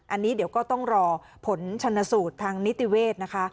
อันนี้เดี๋ยวก็ต้องรอผลชนสูตรทางนิติเวศนะคะ